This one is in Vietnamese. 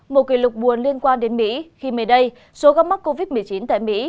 một kỷ lục buồn liên quan đến mỹ khi mới đây số ca mắc covid một mươi chín tại mỹ